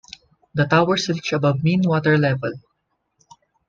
The towers reach above mean water level.